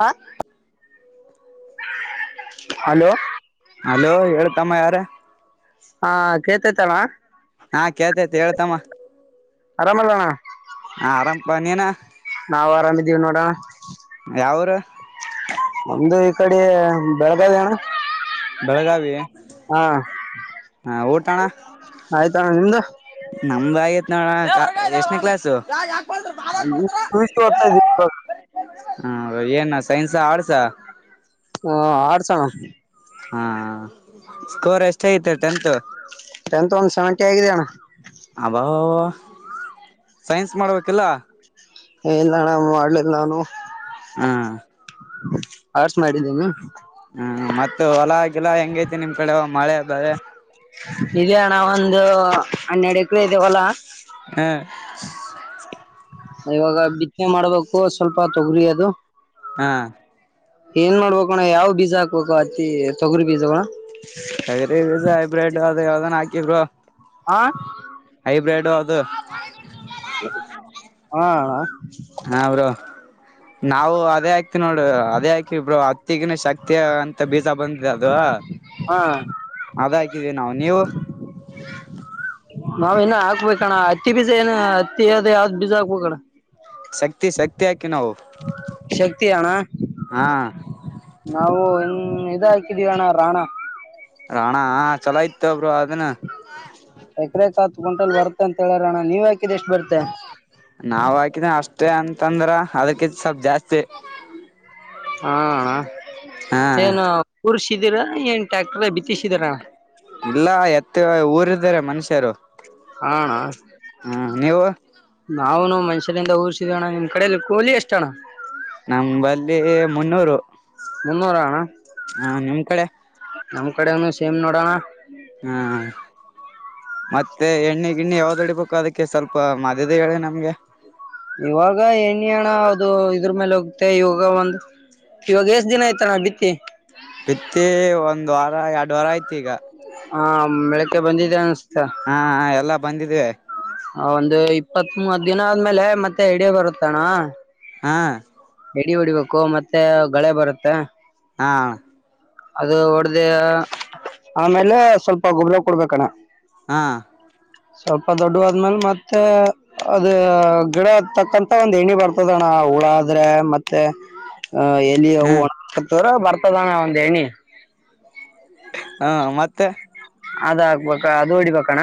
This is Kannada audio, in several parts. ಹಾ. ಹಲೋ ಹಲೋ ಹೇಳ್ತಮ್ಮ ಯಾರ. ಹಾ ಕೇತೈತಾನ. ಹಾ ಕೇತೆತಿ ಹೇಳ್ತಮ್ಮ. ಲ್ಲಣ ಹ ಆರಾಮಪ ನೀನ ನಾವ ಆರಾಮಿದ್ದೀವಿ ನೋಡೋಣ. ಯಾವೂರ ಒಮ್ದ ಈ ಕಡೆ ಬೆಳಗಾವಣ್ಣ. ಬೆಳಗಾವಿ ಹಾ ಊಟ ಅಣ್ಣ. ಆಯ್ತಣ್ಣ ನಿಮ್ದು ನಮ್ದು ಆಗತ್ ನೋಡ ಎಷ್ಟ್ನೇ ಕ್ಲಾಸು. ಇಷ್ಟು ಕೊಡ್ತಾ ಇದೀರಿ. [unintelligible] ಹಾ ಏನ ಸೈನ್ಸ್ ಆಡ್ಸಾ ಹಾ ಅರ್ಡ್ಸ್ ಅಣ್ಣ. ಹಾ ಸ್ಕೋರ್ ಎಷ್ಟ ಐತೆ ಟೆಂತ್. ಟೆಂತ್ ಒಂದ್ ಸೆವೆಂಟಿ ಆಗಿದ ಅಣ್ಣ. ಅಬಾಬಾ ಸೈನ್ಸ್ ಮಾಡ್ಬೇಕಿಲ್ಲ. ಏ ಇಲ್ಲ ಅಣ್ಣ ಮಾಡ್ಲಿಲ್ಲ ನಾನು. ಹ್ಮ ಆರ್ಸ್ ಮಾಡಿದ್ದೀನ. ಮತ್ತ ಹೊಲ ಗಿಲ ಹೆಂಗೈತಿ ನಿಮ್ ಕಡೆ ಮಳೆ ಬೇಳೆ. ಇಯಣಾವ ಒಂದು ಹನ್ನೆರಡು ಎಕರೆ ಇದೇವಲ್ಲಾ. ಹ ಇವಾಗ ಬಿತ್ತನೆ ಮಾಡ್ಬೇಕು ಸ್ವಲ್ಪ ತೊಗರಿ ಅದು. ಹಾ ಏನ್ ಮಾಡ್ಬೇಕ ಅಣ್ಣ ಯಾವ್ ಬೀಜ ಹಾಕ್ಬೇಕ ಅತ್ತಿ ತೊಗರಿ ಬೀಜವ. ತಗರಿ ಬೀಜ ಹೈಬ್ರೆಡ್ ಅದ ಯಾವ್ದನಾ ಹಾಕಿ ಬ್ರೋ. ಹಾ ಹೈಬ್ರೆಡು ಅದು. ಹೂ ಅಣ್ಣ. ಹಾ ಬ್ರರು ನಾವು ಅದೇ ಹಾಕಿ ವಿಬ್ರೋ ಅತ್ತಿಗ ಶಕ್ತಿ. ಮತ್ತ ಅಂತ ಬೀಜ ಬಂದಿದೆ ಅದು ಹಾ ಅದ ಹಾಕಿದೀವಿ ನಾವು ನೀವು. [inaudible] ನಾವ್ ಏನ ಹಾಕ್ಬೇಕಣ್ಣ ಹತ್ತಿ ಬೀಜ ಏನ ಅತ್ತಿ ಅ್ ಯಾವ್ದ್ ಬೀಜ ಹಾಕ್ಬೇಕಣ್ಣ ಶಕ್ತಿ ಶಕ್ತಿಹಾಕಿವಿ ನಾವು ಶಕ್ತಿಯಣ್ಣ ಹಾ ನಾವು ಹ್ಮ ಇದ ಹಾಕಿದೀರಣ್ಣ ರಾಣ ರಾಣ ಚಲೋ ಇತ ಒಬ್ರು ಅದನ್ನ ಎಕ್ರ ಹತ್ತು ಕ್ವಿಂಟಲ್ ಬರುತ್ತ ಅಂತ ಹೇಳರಣ ನೀವ್ಯ ಕಿದ್ ಎಷ್ಟು ಬರ್ತ ನಾವ್ ಹಾಕಿದೇ ಅಷ್ಟೇ ಅಂತಂದ್ರ ಅದಕಿ ಸ್ವಲ್ಪ್ ಜಾಸ್ತಿ ಹಾ ಅಣ್ಣ ಹಾ ಏನು ಪುರುಷ ಈದೀರಾ ಏನ್ ಟ್ಯಾಕ್ಟರ್ ಬಿತ್ತಿಸಿದೀರಾ ಇಲ್ಲ ಎತ್ತು ಊರ್ದಾರೆ ಮನುಷ್ಯರು ಹಾ ಹ್ಮ್ ನೀವು ಯದ ಊರಿಸಿದೋಣ್ಣ ನಿಮ್ಮ್ ಕಡೆಯಲ್ಲಿ ಕೋಲಿ ಎಷ್ಟೋಣ್ಣ ನಮಂಬಲ್ಲಿ ಮುನ್ನೂರು ಅಣ್ಣ ಮುನ್ನೂರು ಹಾ ನಿಮ್ ಕಡೆ ನಮ್ ಕಡೆನು ಸೇಮ್ ನೋಡೋಣ ಹ್ಮ್ ಮತ್ತೆ ಎಣ್ಣೆ ಗಿಣ್ಣಿ ಯಾವ್ದು ಹೊಡಿಬೇಕು ಅದಕ್ಕೆ ಸ್ವಲ್ಪ ಮದದ ಹೇಳಿ ನಮ್ಗೆ ಇವಾಗ ಎಣ್ಣೆ ಹಣ ಅದು ಇದ್ರ ಮೇಲೆ ಹೋಗುತ್ತೆ ಇವಾಗ ಒಂದು ಇವಾಗ ಎಷ್ಟ್ ದಿನ ಆಯ್ತ ನಾ ಬಿತ್ತಿ ಬಿತ್ತಿ ಒಂದ್ ವಾರ ಎರಡು ವಾರ ಐ್ತಿ ಈಗ ಹ ಮೆಳಕ್ಕೆ ಬಂದಿದ್ದೇ ಅನ್ ಹಾ ಎಲ್ಲ ಬಂದಿದ್ದೀವಿ ಒಂದು ಇಪ್ಪತ್ ಮೂವತ್ ದಿನ ಆದ್ಮೇಲೆ ಮತ್ತೆ ಇಡಿಯ ಬರುತ್ತಣ ಹಾ ಎಡಿ ಹೊಡಿಬೇಕು ಮತ್ತೆ ಗಳೆ ಬರುತ್ತೆ ಹಾ ಅದು ಹೊಡ್ದ ಆಮೇಲೆ ಸ್ವಲ್ಪ ಗುಬ್ಳ ಕೊಡ್ಬೇಕಣ್ಣ ಹಾ ಸ್ವಲ್ಪ ದೊಡ್ಡ ಆದ್ಮೇಲೆ ಮತ್ತೆ ಅದ ಗಿಡ ತಕ್ಕಂತ ಒಂದ್ ಎಣ್ಣಿ ಬರ್ತದಣ್ಣ ಉಳ್ಳ ಬರ್ತತಿ ಆದ್ರೆ ಮತ್ತೆ ಅ ಎಲ್ಲಿ ಹ ಹ್ಮ್ ಒಣತದ್ರ ಬರ್ತದಾನ ಒಂದ್ ಎಣ್ಣಿ ಹಾ ಮತ್ತೆ ಅದ ಆಗ್ಬೇಕ ಅದು ಹೊಡಿಬೇಕಣ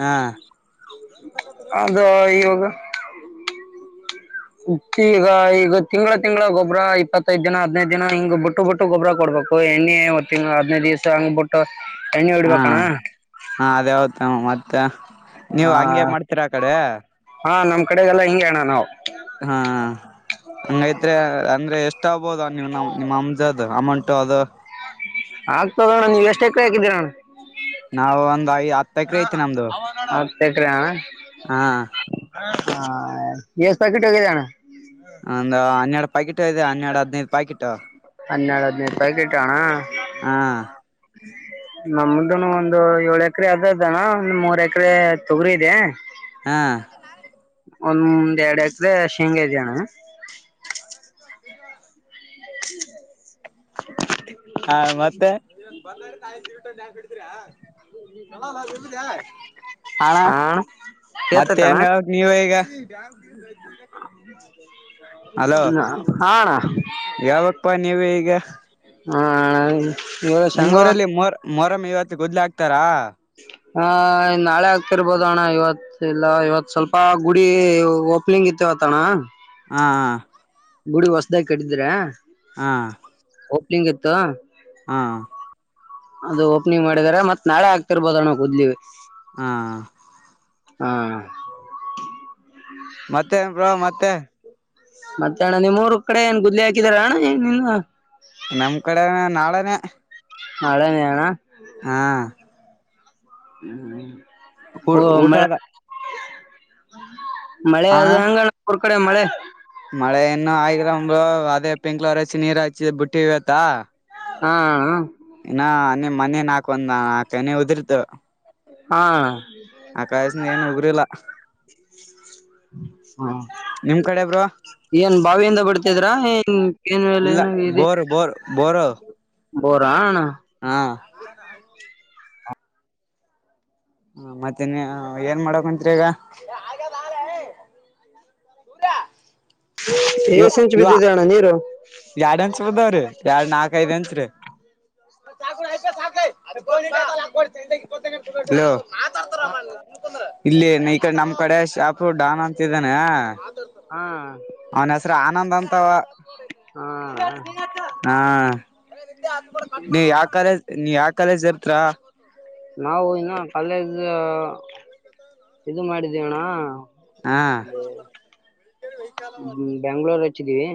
ಹಾ ಅದು ಇೋಗ ಈಗ ಈಗ ತಿಂಗಳ ತಿಂಗಗಳ ಗೊಬ್ರ ಇಪ್ಪತ್ತೈ್ ದಿನ ಹದ್ಯದ್ ದಿನ ಹಿಂಗ್ ಬಿುಟ್ಟು ಬಿುಟ್ಟು ಗೊಬ್ಬ್ರ ಕೊಡ್ಬು ಯಎಣ್ಣೆ ಇತ್ತ ತಿಂ ಹದ್ೈದು್ ದಿವ್ಸ ಹಂಗ್ಬಿಟ್ಟು ಎಣ್ಣೆ ಹಾ ಉಡ್ಬೇಕಣ್ಣ ಹಾ ಅದೇವತ್ ಮತ್ತೆ ನೀವ್ ಹಂಗೆ ಮಾಡ್ತೀರಾ ಆ ಕಡೆ ಹಾ ನಮ್ಮ ಕಡೆಗೆಲ್ಲಾ ಹಿಂ ಅಣ್ಣ ನಾವು ಹಾ ಹಂಗೈತ್ ಅಂದ್ರೆ ಎಷ್ಟ ಆಗ್ಬೋದ ನಿವ್ ನ ನಿಮ್ಮ್ ಅಮಜದ್ ಅಮೌಂಟ್ ಅಮೌಂಟ್ ಅದು ಆಗ್ತದಣ್ಣ ನೀವು ಎಷ್ಟ ಎ ಕಡೆ ಹಾಕಿದ್ದೀರಣ್ಣ ನಾವವು ಒಂದ್ ಐ್ ಹತ್ತೈಕ್ರ ಐತಿ ನಮ್ದು ಹತ್ತು ಹ್ಮ್ ಹಾ ಈ ಎಸ್ ಪಾಕಿಟ್ೋಗದ ಒಂದ ಹನ್ನೆರಡು ಪಾಕೆಟ್ ಇದೆ ಹನ್ನೆರಡು ಹದ್ನೈದು ಪಾಕೆಟ್ ಉ ಹನ್ನೆರಡು ಹದಿನೂ ರೂಪಕಿಟ್ ಆಣಾ ಹಾ ಹ ನಮ್ದನು ಒಂದು ಏಳ ಎಕರೆ ಅದದಾನ ಒಂದ ಮೂರ್ ಎಕರೆ ತೊಗರಿ ಇದೆ ಹಾ ಒಂದ್ ಮುಂದ್ ಎರಡು ಎಕ್ರೆ ಶೇಂಗ ಇದ್ದ್ಯಣ್ಣ [unintelligible] ಹಾ ಮತ್ತೆ [unintelligible] ಸಿರಿ ತಗೊಂಡು ಡ್ಯಾನ್ಸ್ ಹೊಡೀತೀರಾ. ಅಣ್ಣಾ ಆ ಅಣ್ಣ ಮತ್ತೆ ಕೇಳ್ತೈತಣ್ಣ ಏನ್ ಹೇಳ್ಬೇಕು ನೀವ ಈಗ. ಅಲೋ ಹಾ ಅಣ್ಣ ಹೇಳ್ಬೇಕಪ್ಪಾ ನೀವೆ ಈಗ. ಹಾ ಇವಾಗ ನಿಮ್ ಶೇಂಗಾ ಊರಲ್ಲಿ ಮೊರ್ ಮೊರಮ ಇವತ್ತು ಗೊದ್ಲು ಹಾಕ್ತಾರಾ. [unintelligible] ಹ ನಾಳೆ ಆಗ್ತಿರ್ಬೋದ ಅಣ್ಣ ಇವತ್ ಇಲ್ಲ ಇವತ್ ಸ್ವಲ್ಪ ಗುಡಿ ಓಪನಿಂಗ್ ಇತ್ತು. [unintelligible] ಣ ಅಣ್ಣಾ ಹಾ ಗುಡಿ ಹೊಸ್ದಾಗ ಕಟ್ಟಿದ್ರ. ಹಾ ಹೆಂಗತ್ತು. ಹಾ ಅದು ಓಪನಿಂಗ್ ಮಾಡಿದಿದ್ದಾರೆ ಮತ್ ನಾಳೆ ಆಗ್ತಿರ್ಬೋದ ಅಣ ಗುದ್ಲಿ. ಹಾ ಹಾ ಮತ್ತೆ ಏ ಬ್ರಾ ಮತ್ತೆ. ಮತ್ತ ಅಣ್ಣ ನಿಮ್ಮೂರು ಕಡೆ ಏನ್ ಗುದ್ಲಿ ಹಾಕಿದಾರ ಅಣ್ಣ ಏನ್ ನಿನ್ನ. ನಮ್ ಕಡೆನೆ ನಾಳೆನೇ. ನಾಳೆನಣ. ಹಾ ಹ್ಮ ಹ್ಮ ಊಟದ ಮಳೆ ಹಣ ಅದ ಹಂಗದ ಉರ್ ಕಡೆ ಮಳೆ. ಮಳೆ ಇನ್ನು ಆಯಗ್ರಬ್ಳು ಅದೇ ಪಿಂಕ್ಲರ್ ಹೆಚ್ಚಿ ನೀರು ಹಚ್ಚಿದ ಬಿಟ್ಟ ಇವತ್ತ. ಹಾ ಹಾ ಹಾ ಮನೆ ನಾಕ ಒಂದ ನಾಕ ತೆನೆ ಉದರಿದ್ವು. ಹಾ ಆಕಸನ ಏನು ಉದ್ರಿಲ್ಲ. ಹಾ ನಿಮ್ ಕಡೆ ಬ್ರೋ ಏನ್ ಬಾವಿಯಿಂದ ಬಡ್ತಿದ್ರಾ ಏನ್. ಏನ್ ವಲ್ಲ ಇಲ್ಲ ಏನಾಗ ಇದೆ ಬೋರ್ ಬೋರ್ ಬೋರು ಬೋರಾ ಅಣ್ಣಾ. ಹಾ ಹ ಮತ್ತೆನ್ ಏನ್ ಮಾಡಕಂತ್ರಿ ಈಗ. [unintelligible] ಪಿ ಯು ಇವ ಸಿಂಚ್ ಇವ ಬಿದ್ದಿದೇ ಅಣ್ಣ ನೀರು. ಎರಡ್ ಅನ್ಸ ಬಿದಾವ್ರಿ ಎರಡ್ ನಾಕ ಐದ್ ಎಂಚ್ರೀ. ಹಲೋ ಹ ಇಲ್ಲಿ ಈ ಕಡೆ ನಮ್ ಕಡೆ ಶಾಪು ಡಾನ ಅಂತಿದಾನ. ಹಾ ಅವನ ಹೆಸರು ಆನಂದ್ ಅಂತ ಹಾ ಹಾ. ನೀ ಯಾವ ಕಾಲೇಜ್ ನೀ ಯಾವ ಕಾಲೇಜ್ ಇರ್ತ್ರಾ ನಾವು ಇನ್ನ ಕಾಲೇಜ್ ಇದು ಮಾಡಿದ್ದೀವಣ್ಣ. ಹಾ ಬೆಂಗಳೂರು ಹಚ್ಚಿದೀವಿ.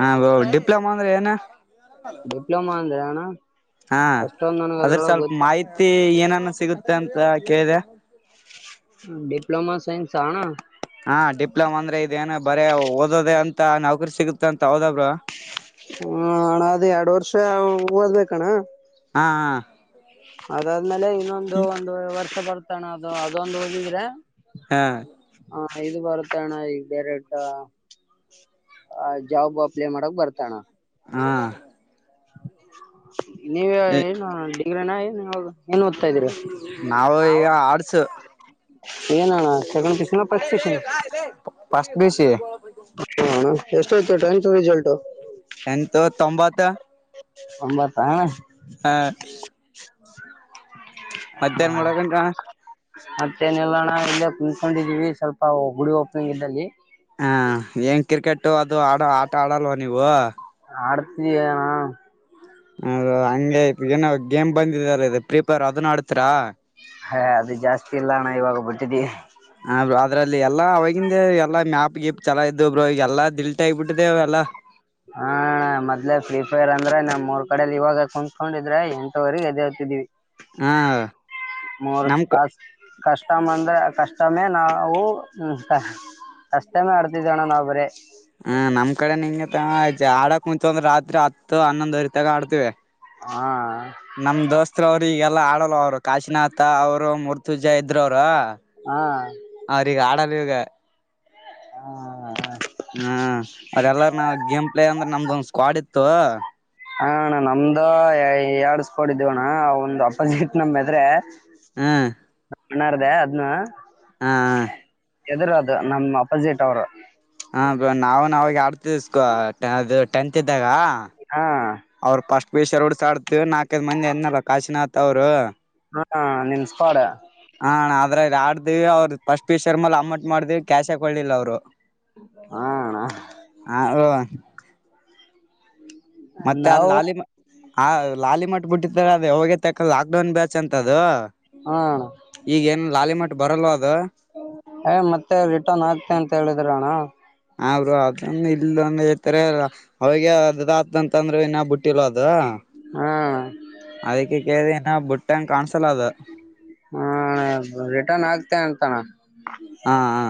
ಹಾ ಬೌ ಡಿಪ್ಲೊಮಾ ಅಂದ್ರೆ ಏನ. ಡಿಪ್ಲೊಮಾ ಅಂದ್ರೆಣ. ಹಾ ಅದ್ರ ಸ್ವಲ್ಪ ಮಾಹಿತಿ ಏನಾನ ಸಿಗುತ್ತೆ ಅಂತ ಕೇಳಿದೆ. ಡಿಪ್ಲೋಮಾ ಸೈನ್ಸ್ ಆಣ. ಹಾ ಡಿಪ್ಲೊಮಾ ಅಂದ್ರೆ ಇದೇಏನ ಬರ ಓದೋದೇ ಅಂತ ನೌಕರಿ ಸಿಗುತ್ತ ಅಂತ ಹೌದಬ್ರೋ ಹಣ ಅದ ಎರಡು ವರ್ಷ ಓದ್ಬೇಕಣ್ಣ. ಹಾಂ ಅದಾದ್ಮೇಲೆ ಇನ್ನೊಂದು ಒಂದು ವರ್ಷ ಬರ್ತಣ ಅದು ಅದೊಂದು ಹೋಗಿದ್ರೆ ಹಾ ಐದು ಪರತಣ ಈಡೈರೆಟಾ ಆ ಜಾಬ್ ಅಪ್ಲೈ ಮಾಡಕ್ ಬರ್ತಾನ ಹಾಂ ನೀವ ಏನು ಡಿಗ್ರನ ಏನ್ ಓದ್ತಾ ಇದ್ದೀರಿ ನಾವ ಈಗ ಆರ್ಟ್ಸ್ ಏನಣ ಸೆಕೆಂಡ್ ಪಿ ಯು ಸಿ ನಾ first P U C first P U C ಎಷ್ಟೈಐತ್ತು ಟೆಂತ್ ರಿಸಲ್ಟು ಎಂತು ತೊಂಬತ್ತ ಒಂಬತ ಹ ಆ ಮಧ್ಯಾಹ್ನ ಮಾಡಡಕ ಮತ್ತೇನೆಲ್ಲಣ ಇಲ್ಲೇ ಕುಂತ್ಕೊಂಡಿದೀವಿ ಸ್ವಲ್ಪ ಗುಡಿ ಓಪನಿಂಗ್ ಇದ್ದಲ್ಲಿ ಹಾ ಏನ್ ಕ್ರಿಕೆಟು ಅದು ಆಡ ಆಟ ಆಡಲ್ವಾ ನೀವು ಅತ ಣ ಹದ ಹಂಗತ್ ಏನ ಗೇಮ್ ಬಂದಿದಾರ ಪ್ರಿಪೇರ್ ಅದನ್ ಆಡತರಾ ಹಾ ಅದು ಜಾಸ್ತಿ ಇಲ್ಲಣ್ಣ ಇವಾಗ ಬಿಟ್ಟಿದೀವಿ ಅದ್ರಲ್ಲಿ ಎಲ್ಲಾ ಅವವಾಗಿಂದ ಎಲ್ಲಾ ಮ್ಯಾಪ್ ಗಿಪ್ ಚಲ ಇದ್ರ ಎಲ್ಲಾ ದಿಲ್ಟ್ ಆಗಬಿಟ್ಟಿದೆ ಎಲ್ಲಾ ಹಾ ಕಡಲ್ಲಿ ಇವಾಗ ಕುತ್ಕೊಂಡಿದ್ರೆ ಎಂವರೆಗೆ ಎದೆ ಹತಿದೀವಿ ಹಾ ಮೂರು ನಮ್ ಕಷ್ಟ ಅಂದ್ರೆ ಕಷ್ಟ ಷ್ಟಯ ನಾವು ಕಷ್ಟಮೇ ಆಡ್ತಿದ್ದೇಣ ನಾವು ಬರೇ ಹ ನಮ್ ಕಡೆ ನಿಂ ಆಡಕ್ ಮುಂಚೆ ಒಂದ್ರ ರಾತ್ರಿ ಹತ್ತು ಹನ್ನೊಂದ್ವರಿ ತಾಗ ಆಡ್ತಿವಿ ಹಾ ನಮ ದೋಸ್ತ್ರ ಅವ್ರಲ್ಲ ಲ್ಲ ಆಡಲ್ಲ ಅವರು ಕಾಶಿನಾಥ ಅವರು ಮುರ್ತುಜ ಇದ್ರ ಅವರು ಅವ್ರಗ ಆಡ ಹೇಳಗೆ ಹ್ಮ ಹಾ ಕಡಿ ಇತ್ತು ಹಣ್ಣ ನಮ್ದ ಎಡ್ ಸ್ಕೋಡಿದ್ದವ ಅಣ್ಣ ಒಂದ್ ಅಪಜಿಟ್ ನಮದ್ರೆ ಹ್ಮ್ ಮ್ಣಾರದ ಅದನು ಹ ಎದುರುದು ನಮ್ ಅಪೋಜಿಟ್ ಅವರು ಹ ನಾವ್ ನ ಅವಾಗ ಆಡ್ತ ಸ್ಕೊ ಅದು ಟೆಂತ್ ಇದ್ದಾಗ ಹಾ ಅವ್ರು ಪಫಸ್ಟ್ ಪೀಷರಡ್ಸ ಆಡ್ತವಿ ನಾಲ್ಕೈ್ ಮಂದಿ ಅನಲ್ಲ ಕಾಶಿನಥ್ ಅವ್ರು ಹಾ ನಿಮ್ ಸ್ಕ್ವಾಡ್ ಹ ಅದ್ರೆಡ್ ವಿ ಅವ್ರರು ಫಸ್ ಪಿ ಶರ್ಮಾ ಅಮ್ಮಂಟ್ ಮಾಡಿದೀವಿ ಕ್ಯಾಶ್ ಹಾಕೊಳ್ಳಿಲ್ಲ ಅವರು ಹಾಣಾ ಮತ್ತೆ ಅದ ನಾವು ಲಾಲಿ ಮ ಆ ಲಾಲಿ ಮಟ್ ಬಿಟ್ಟ್ರ ಅದ ಹೋಗಗೆ ತಕ್ಕ ಲಾಕ್ ಡೌನ್ ಬ್ಯಾಚ್ ಅಂತ ಅದು ಹಾ ಅಣ್ಣ ಈಗ ಏನ್ ಲಾಲಿ ಮಟ್ಟ ಬರಲ್ ಅದು ಏ ಮತ್ತೆ ರಿಟರ್ನ್ ಆಗ್ತೆ ಅಂತ ಹೇಳಿದ್ರ ಅಣ್ಣ ಅವರು ಅದ್ರೊಂದು ಇಲ್ಲೊಂದ ಹೇಳ್ತಾರೆ ಅವಿಗೆ ಅದಾತ್ ಅಂತಂದ್ರೆ ಇ ನಾ ಬಿಟ್ಟಿಲ್ವ ಅದ ಹಾ ಅದಕ್ಕೆ ಕೇಳದನ ಬುಟ್ಟಂಗ್ ಕಾಣಸಲಾದ ಹಾ ರಿಟರ್ನ್ ಆಗ್ತೆ ಅಂತಾನ ಹ್ಮ ಹಾ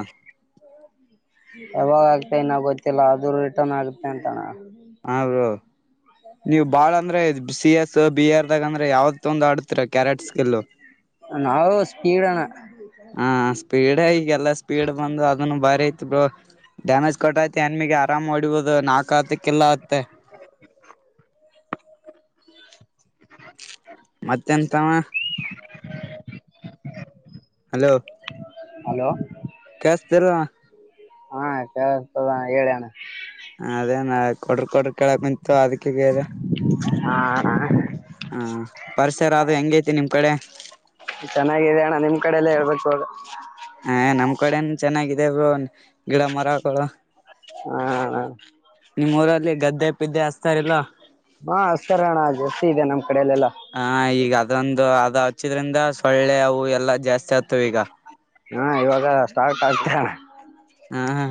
ಯಾವಾಗ ಆಗ್ತ ಇನ್ನ ಗೊತ್ತಿಲ್ಲ ಆದೂ ರಿಟರ್ನ್ ಆಗತೆ ಅಂತಾನ ಹ ಬ್ರೋ ನೀವು ಬಾಳ ಅಂದ್ರೆ ಸಿ ಎಸ್ ಬಿ ಎರ್ ದಾಗ ಅಂದ್ರೆ ಯಾವತ್ ಒಂದ್ ಆಡ್ತ ಕ್ಯರೆಟ್ಸ್ ಸ್ಕಿಲ್ ನಾವು ಸ್ಪೀಡ್ ಅಣ್ಣ ಹಾ ಸ್ಪೀಡ ಈಗೆಲ್ಲಾ ಸ್ಪೀಡ್ ಬಂದು ಅದ ಬಾರಿ ಐತ್ ಡ್ಯಾಮೇಜ್ ಕೊಟ್ಟಐತಿ ಹೆಣಮಿಗೆ ಆರಾಮ್ ಹೊಡಿಬಹುದು ನಾಕ ಆತ್ತ ಕಿಲ್ಲ ಆತ್ತ [inaudible] [unintelligible] ಮತ್ತೆ ಏನ್ ತಮ್ಮ [inaudible] [unintelligible] ಹಲೋ ಹಲೋ ಕೆಲ್ಸ ಏನ್ ಇಲ್ಲ ಅಣ್ಣ ಹಾ ಕೆಲಸ್ತಾದ ಹೇಳಿಣ್ಣ ಅದೇ ಏನ ಕೊಡ್ರ ಕೊಡ್ರ ಕೇಳಕ್ಕಂತು ಅದಕ್ಕೆ ಬೇರೆ ಹಾ ಅಣ್ಣ ಹಾ ಪರಿಸರ ಆದ ಹೆಂಗೈತಿ ನಿಮ್ ಕಡೆ ಚೆನ್ನಾಗಾಗಿದೆ ಅಣ್ಣ ನಿಮ್ ಕಡಲ್ಲೇ ಹೇಳ್ಬೇಕು ಇವಾಗ ಹ ನಮ್ ಕಡೆನ್ ಚೆನ್ನಾಗಾಗಿದೆ ಬ್ರೋ ಗಿಡ ಮರಗಳು ಹಾಕೋದು ಹ ನಿಮ್ಮ್ ಊರಲ್ಲಿ ಗದ್ದೆ ಪಿದ್ದೆ ಹಸ್ತಾರಲ್ಲ ಹ ಅಚ್ಚರೆ ಅಣ್ಣ ಜಾಸ್ತಿ ಇದೆ ನಮಗೆ ಹಾ ಈಗ ಅದೊಂದು ಅದು ಹಚ್ಚಿದ್ರಿಂದ ಸೊಳ್ಳೆ ಅವು ಎಲ್ಲಾ ಜಾಸ್ತಿ ಆತವ ಈಗ ಹಾ ಇವಾಗ ಸ್ಟಾರ್ಟ್ ಆಗ್ತಾ ಅಣ್ಣ ಹಾ ಹಾ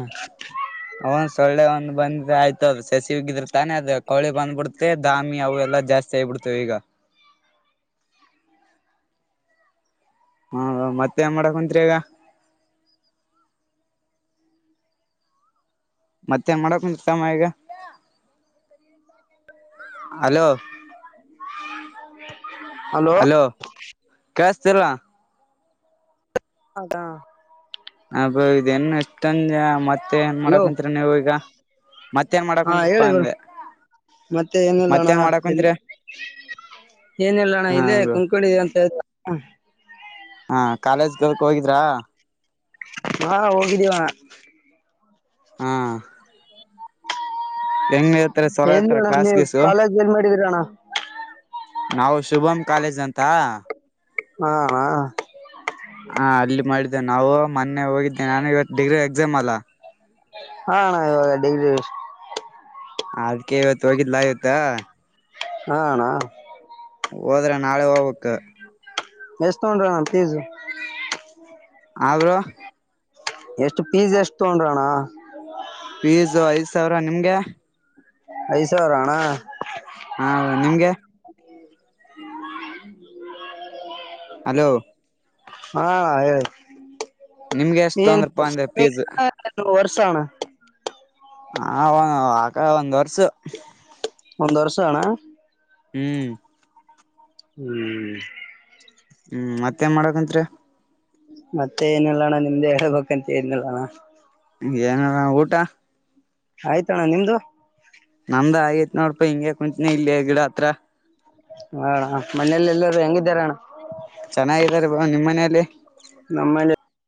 ಅವನ್ ಕೊಳ್ಳೆ ಒಂದು ಬಂದ ಆಯ್ತು ಅದು ಸಸಿವಗಿದ್ರ ತಾನೇ ಅದು ಕೋಳೆ ಬಂದ್ಬಿಡ್ುತ್ತೆ ದಾಮಿ ಅವು ಎಲ್ಲ ಜಾಸ್ತಿ ಆಗಿಬಿಡ್ುತ್ತೆ ತ್ತೇಗ ಹ ಹಾ ಮತ್ತೆ ಏನ್ ಮಾಡ ಕುಂತ್ರಿ ಇಗ ಮತ್ತೆನ್ ಮಾಡಕ್ ಕುಂತಿ ತಮ್ಮ ಈಗ ಹಲೋ ಹಲೋ ಸರಿ ಅದಾ ಹಬ ಇದ ನ್ ಎಷ್ಟಂದ ಮತ್ತೆ ಏನ್ ಹಲೋ ಮಾಡಕಂತರಿ ನೀವ ಈಗ ಮತ್ತೇಏನ್ ಹಾ ಮಾಡಕ್ಂತಪ್ಪಾ ಹೇಳಿ ಬ್ರೋ ಅಂದೆ ಮತ್ತೆ ಏನೀಲ್ಲಣ ಮತ್ತೇನ್ ಮಾಡಕ್ ಎಲ್ಲಿ ಕುಂತ್ರಿ ಏನಲ್ಲಣ್ಣ ಹಾ ಇೇ ಬ್ರೋ ಕುಂಕೊಂಡಿದ್ದ ಅಂತ ಹಳ್ತ ಹಾ ಕಾಲೇಜ್ಗಕ್ ಹೋಗಿದ್ರಾ ಹಾ ಹೋಗಿದ್ದೀವಾ ಹಾ ಹೆಂಗ್ ಇತಾರೆ ಸ್ವಲ ಎಲ್ಲಿ ಇರ್ತಾರ ಅಣ್ಣ ಕ್ಲಾಸ್ ನೀವು ಗಸು ಕಾಲೇಜ್ ಏನ್ ಮಾಡಿದೀರ ಅಣ್ಣ ನಾವು ಶುಭಮ್ ಕಾಲೇಜ್ ಅಂತ ಹಾ ಹಾ ಹಾ ಅಲ್ಲಿ ಮಾಡಿದ್ದೆ ನಾವು ಮೊನ್ನೆ ಹೋಗಿದ್ದೇ ನಾನು ಇವತ್ತು ಡಿಗ್ರಿ ಎಕ್ಸಾಮ್ ಅಲ್ಲ ಹಾ ಅಣ್ಣ ಇವಾಗ ಡಿಗ್ರಿ ಅದ್ಕೆ ಇವತ್ತು ಹೋಗಿದ್ನಾ ಇವತ್ತ ಹ ಅಣಾ ಓದರೆ ನಾಳೆ ಓಬೇಕ ಎಸ್ತಗೂಂಡ್ರನ ಪೀಸ್ ಹ ಬ್ರೋ ಎಷ್ಟು ಪೀಜ ಎಷ್ಟು ತಗೊಂಡ್ರಣ್ಣ ಫೀಸ್ ಐದ್ ಸಾವಿರ ನಿಮ್ಗೆ ಐದು ಸಾವಿರಣ್ಣ ಹಾ ನಿಮ್ಗೆ ಹಲೋ ಹಾ ನಿಮ್ಗೆ ಎಷ್ಟು ತೊಂದ್ರಪ್ಪಾ ಅಂದೆ ಫೀಸ್ ಆಯ್ತುನ್ರ್ಷ [unintelligible] ಸಣ [unintelligible] ಹ ಆಕ ಒಂದ್ ವರ್ಸ [unintelligible] ಒಂದು ವರ್ಷಣ ಹ್ಮ್ ಹ್ಮ್ ಹ್ಮ್ ಮತ್ತೇನ್ ಮಾಡಕಂತ್ರಿ ಮತ್ತೆ ಏನಿಲ್ಲಣ್ಣ ನಿಮ್ದೆ ಹೇಳ್ಬೇಕಂತ ಏನಿಲ್ಲಣ್ಣ ಏನಾರ ಊಟ ಆಯ್ತಣ್ಣ ನಿಮ್ದು ನಮ್ದ ಆಗೈತ್ ನೋಡಪಾ ಹಿಂಗಗೆ ಕುಂತ್ನ ಇಲ್ಲಿಯ ಗಿಡ ಹತ್ರ ಹ ಮನೇಲಿ ಎಲ್ಲರೂ ಹೆಂಗಿದಾರಣ್ಣ ಚೆನ್ನಾಗಾರೆ ಬಾ ನಿಮ್ಮ್ ಮನೇಯಲ್ಲಿ ನಮ್ಮಲ್ಲಿ